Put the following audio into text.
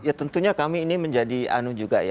ya tentunya kami ini menjadi anu juga ya